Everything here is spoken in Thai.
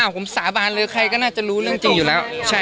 อ่าผมสาบานเลยใครก็ลองเรียนความจริงอยู่แล้ว